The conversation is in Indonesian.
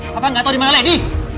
papa gak tau dimana lady